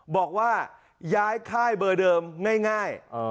บอกว่าย้ายค่ายเบอร์เดิมง่าย